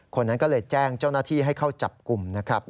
คนนั้นก็เลยแจ้งเจ้าหน้าที่ให้เข้าจับกลุ่มนะครับ